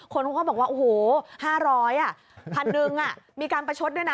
คนก็บอกว่าหัวโหว๕๐๐๑๐๐๐บาทมีการประชดด้วยนะ